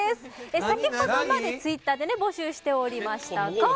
先ほどまでツイッターで募集しておりましたが。